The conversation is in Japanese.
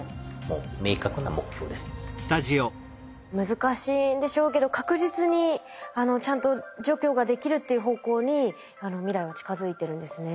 難しいんでしょうけど確実にちゃんと除去ができるっていう方向に未来は近づいてるんですね。